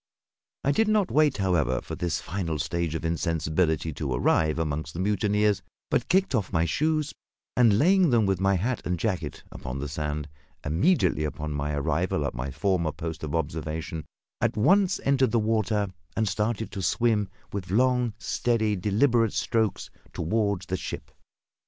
I did not wait, however, for this final stage of insensibility to arrive among the mutineers; but kicked off my shoes, and laying them, with my hat and jacket, upon the sand, immediately upon my arrival at my former post of observation, at once entered the water and started to swim with long, steady, deliberate strokes toward the ship.